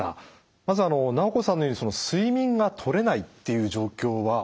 まずナオコさんのように睡眠がとれないっていう状況は多いですか？